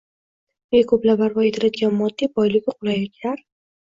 Nega ko‘plab barpo etilayotgan moddiy boyligu qulayliklar